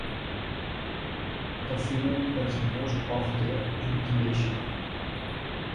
The female does most of the incubation.